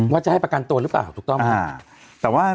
ว่าจะให้ประกันตัวหรือเปล่าถูกต้องครับ